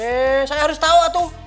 eh saya harus tau tuh